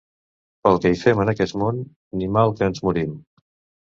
Pel que hi fem en aquest món, ni mai que ens morim.